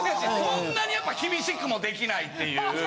そんなにやっぱ厳しくもできないっていう。